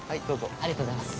ありがとうございます。